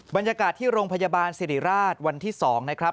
บรรยากาศที่โรงพยาบาลสิริราชวันที่๒นะครับ